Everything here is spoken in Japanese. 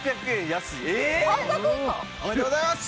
おめでとうございます！